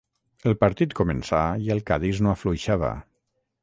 El partit començà i el Cadis no afluixava.